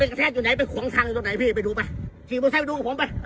เป็นกระแทดอยู่ไหนเป็นขวงทางอยู่ตรงไหนพี่ไปดูไหมพี่บัตรไทยไปดูกับผมไป